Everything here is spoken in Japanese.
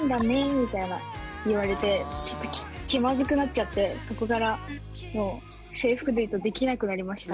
みたいな言われてちょっと気まずくなっちゃってそこからもう制服デートできなくなりました。